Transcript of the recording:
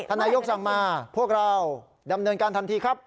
นายกสั่งมาพวกเราดำเนินการทันทีครับ